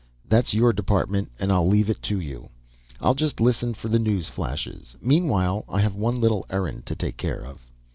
That's your department and I leave it to you. I'll just listen for the news flashes. Meanwhile I have one little errand to take care of."